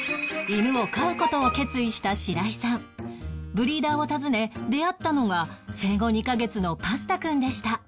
ブリーダーを訪ね出会ったのが生後２カ月のパスタくんでした